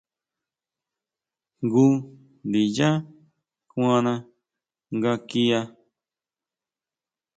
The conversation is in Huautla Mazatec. Jngu ndiyá kuana nga kia.